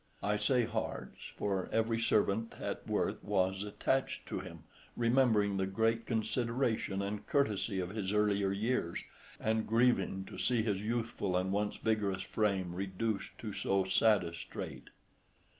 I say hearts, for every servant at Worth was attached to him, remembering the great consideration and courtesy of his earlier years, and grieving to see his youthful and once vigorous frame reduced to so sad a strait.